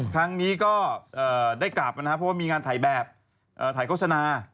ครั้งนี้ก็ได้กลับนะครับเพราะว่ามีงานถ่ายแบบถ่ายโฆษณา